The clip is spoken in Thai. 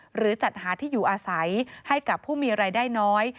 หรือจัดหาที่อยู่อาศัยให้กับผู้มีรายได้น้อย